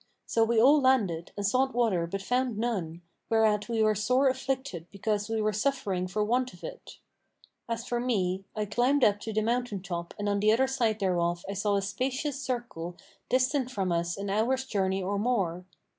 So we all landed and sought water but found none, whereat we were sore afflicted because we were suffering for want of it. As for me, I climbed up to the mountain top and on the other side thereof I saw a spacious circle[FN#504] distant from us an hour's journey or more.